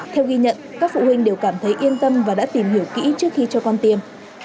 theo ghi nhận các phụ huynh đều cảm thấy yên tâm và đã tìm hiểu kỹ trước khi cho con tiêm